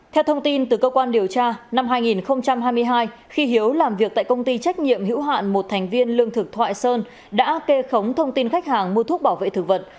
theo thông tin từ cơ quan điều tra năm hai nghìn hai mươi hai khi hiếu làm việc tại công ty trách nhiệm hữu hạn một thành viên lương thực thoại sơn đã kê khống thông tin khách hàng mua thuốc bảo vệ thực vật